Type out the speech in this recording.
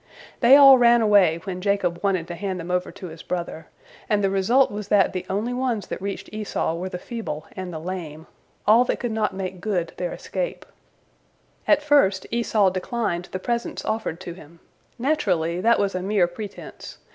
They all ran away when Jacob wanted to hand them over to his brother, and the result was that the only ones that reached Esau were the feeble and the lame, all that could not make good their escape. At first Esau declined the presents offered to him. Naturally, that was a mere pretense.